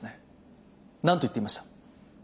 何と言っていました？